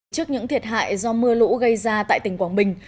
trước những thiệt hại do mưa lũ gây ra tại tỉnh quảng bình